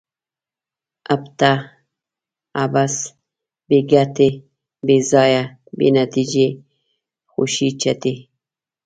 ابته ؛ عبث، بې ګټي، بې ځایه ، بې نتیجې، خوشي چټي